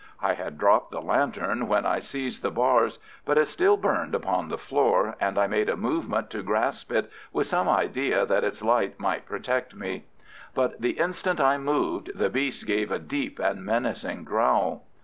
I had dropped the lantern when I seized the bars, but it still burned upon the floor, and I made a movement to grasp it, with some idea that its light might protect me. But the instant I moved, the beast gave a deep and menacing growl.